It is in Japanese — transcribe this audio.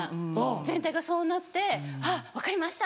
全体がそうなって分かりました！